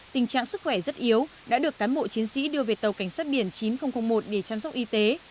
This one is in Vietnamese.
tình trạng sức khỏe rất yếu đã được cán bộ chiến sĩ đưa về tàu cảnh sát biển chín nghìn một để chăm sóc y tế